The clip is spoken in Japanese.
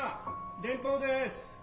電報です。